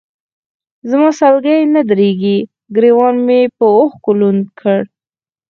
زما سلګۍ نه درېدې، ګرېوان مې به اوښکو لوند کړ.